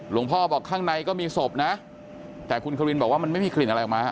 พ่อบอกข้างในก็มีศพนะแต่คุณควินบอกว่ามันไม่มีกลิ่นอะไรออกมา